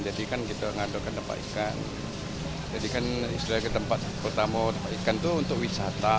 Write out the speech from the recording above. jadi kan istilahnya tempat bertamu ikan itu untuk wisata